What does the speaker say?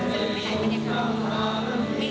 พอรังหางนานเท่าไหร่